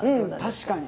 確かに。